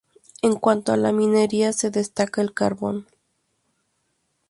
En cuanto a la minería se destaca el carbón.